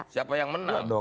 siapa yang menang